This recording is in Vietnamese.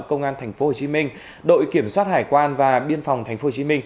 công an tp hcm đội kiểm soát hải quan và biên phòng tp hcm